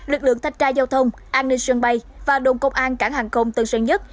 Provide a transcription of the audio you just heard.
lực lượng thanh tra giao thông an ninh sân bay và đồng công an cảng hàng không tân sơn nhất